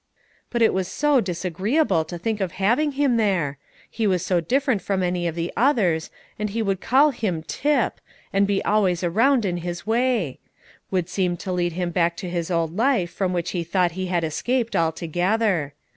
But it was so disagreeable to think of having him there, he was so different from any of the others, and he would call him Tip, and be always around in his way; would seem to lead him back to the old life from which he thought he had escaped altogether.